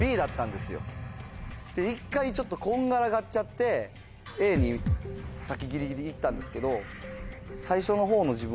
１回こんがらがっちゃってＡにさっきギリギリいったんですけど。